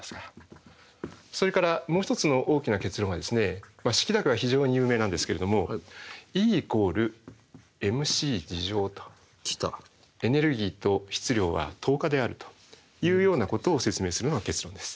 それからもう一つの大きな結論は式だけは非常に有名なんですけれどもエネルギーと質量は等価であるというようなことを説明するのが結論です。